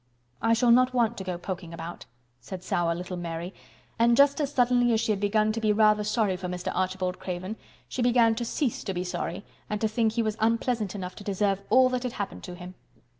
"I shall not want to go poking about," said sour little Mary and just as suddenly as she had begun to be rather sorry for Mr. Archibald Craven she began to cease to be sorry and to think he was unpleasant enough to deserve all that had happened to him.